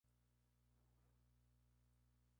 Ingeniero de minas, no ejerció su profesión.